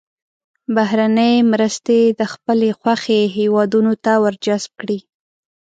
بهرنۍ مرستې د خپلې خوښې هېوادونو ته ور جذب کړي.